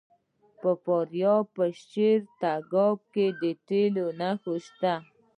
د فاریاب په شیرین تګاب کې د تیلو نښې شته.